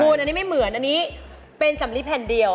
อันนี้ไม่เหมือนอันนี้เป็นสำลิแผ่นเดียว